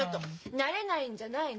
なれないんじゃないの。